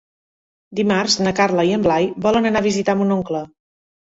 Dimarts na Carla i en Blai volen anar a visitar mon oncle.